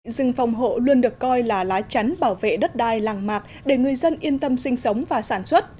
rừng phòng hộ luôn được coi là lá chắn bảo vệ đất đai làng mạc để người dân yên tâm sinh sống và sản xuất